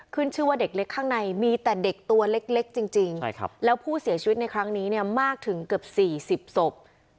ชื่อว่าเด็กเล็กข้างในมีแต่เด็กตัวเล็กจริงแล้วผู้เสียชีวิตในครั้งนี้เนี่ยมากถึงเกือบ๔๐ศพ